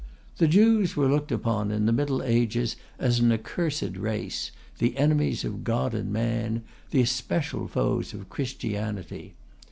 The Jews were looked upon in the middle ages as an accursed race, the enemies of God and man, the especial foes of Christianity.